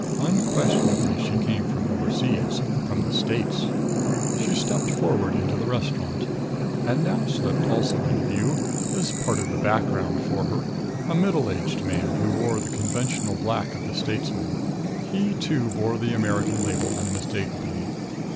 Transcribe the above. Unquestionably she came from oversea from the States. She stepped forward into the restaurant. And now slipped also into view, as part of the background for her, a middle aged man, who wore the conventional black of the statesman. He, too, bore the American label unmistakably.